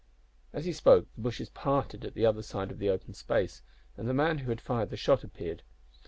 As he spoke the bushes parted at the other side of the open space, and the man who had fired the shot appeared.